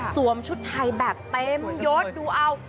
สวมชุดไทยแบบเต็มโยชน์ดูเอา